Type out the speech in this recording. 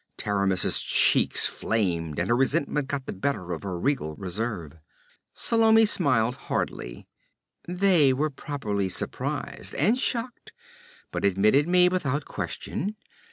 Taramis's cheeks flamed and her resentment got the better of her regal reserve. Salome smiled hardly. 'They were properly surprised and shocked, but admitted me without question.